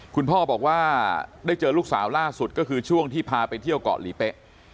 คุณพ่อบอกว่าได้เจอลูกสาวล่าสุดก็คือช่วงที่พาไปเที่ยวเกาะหลีเป๊ะ